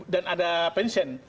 dan ada pensiun